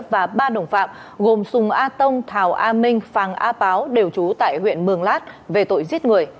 và ba đồng phạm gồm sùng a tông thảo a minh phàng a páo đều trú tại huyện mường lát về tội giết người